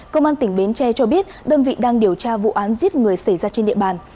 công an tỉnh bến tre cho biết đơn vị đang điều tra vụ án giết người xảy ra trên địa bàn